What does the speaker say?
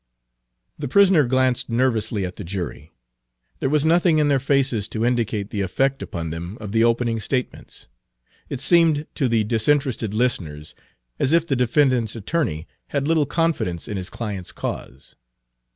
The prisoner glanced nervously at the jury. There was nothing in their faces to indicate the effect upon them of the opening statements. It seemed to the disinterested listeners as if the defendant's attorney had little confidence in his client's cause.